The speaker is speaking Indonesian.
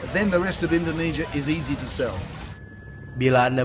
maka seluruh indonesia akan mudah untuk dihantar